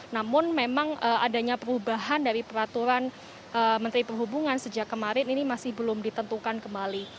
namun memang adanya perubahan dari peraturan menteri perhubungan sejak kemarin ini masih belum ditentukan kembali